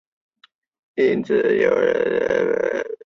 因此有人提出要当心股市走势。